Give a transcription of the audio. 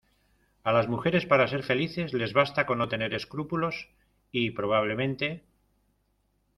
a las mujeres para ser felices les basta con no tener escrúpulos, y probablemente